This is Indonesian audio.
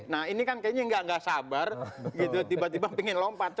nah ini kan kayaknya tidak sabar tiba tiba ingin lompat